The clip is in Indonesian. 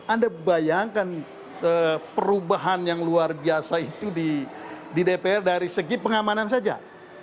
anda bayangkan perubahan yang luar biasa itu di dpr dari segi pengamanan saja